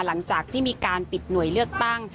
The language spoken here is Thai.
หลังจากที่มีการปิดหน่วยเลือกตั้ง